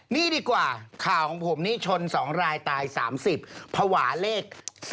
นี่ดีกว่าข่าวของผมนี่ชน๒รายตาย๓๐ภาวะเลข๓